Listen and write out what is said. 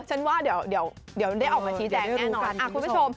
ฉันว่าเดี๋ยวเดี๋ยวได้ออกมาชี้แจงแน่นอน